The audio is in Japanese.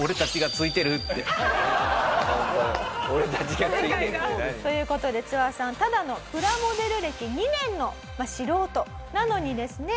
って。という事でツワさんただのプラモデル歴２年の素人なのにですね